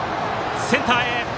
センターへ！